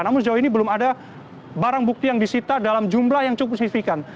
namun sejauh ini belum ada barang bukti yang disita dalam jumlah yang cukup signifikan